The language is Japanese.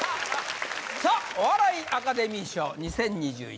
さあお笑いアカデミー賞２０２１